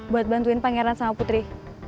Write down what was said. buat bantuin pangeran sama putri